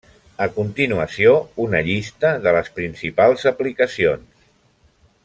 A continuació una llista de les principals aplicacions.